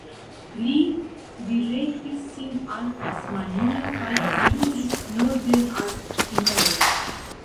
Li direktis sin al Tasmanio kaj pluis norden al Timoro.